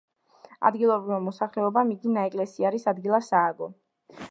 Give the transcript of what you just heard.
ადგილობრივმა მოსახლეობამ იგი ნაეკლესიარის ადგილას ააგო.